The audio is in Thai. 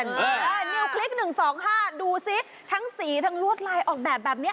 เออนิวคลิกหนึ่งสองห้าดูสิทั้งสีทั้งลวดลายออกแบบแบบเนี้ย